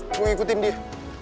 gue ngikutin dia